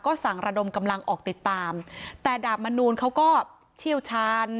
สั่งระดมกำลังออกติดตามแต่ดาบมนูลเขาก็เชี่ยวชาญ